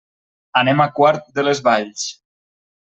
Anem a Quart de les Valls.